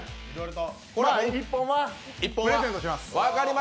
１本はプレゼントします。